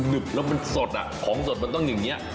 ึบแล้วมันสดของสดมันต้องอย่างนี้